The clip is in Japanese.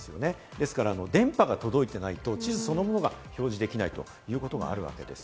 なので電波が届いていないと地図そのものが表示できないということもあるわけです。